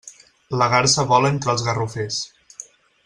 La garsa vola entre els garrofers.